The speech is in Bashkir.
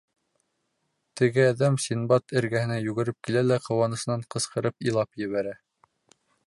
Теге әҙәм Синдбад эргәһенә йүгереп килә лә ҡыуанысынан ҡысҡырып илап ебәрә: